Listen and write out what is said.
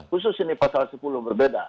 khusus ini pasal sepuluh berbeda